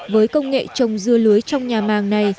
với công nghệ trồng dưa lưới trong nhà màng này